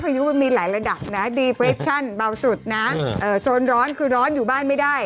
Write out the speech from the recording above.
ยุมันมีหลายระดับนะดีเปรคชั่นเบาสุดนะโซนร้อนคือร้อนอยู่บ้านไม่ได้